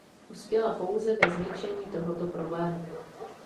Uspěla pouze ve zvětšení tohoto problému.